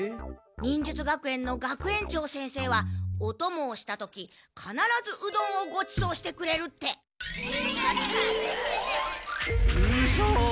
忍術学園の学園長先生はおともをした時かならずうどんをごちそうしてくれるって。うそ！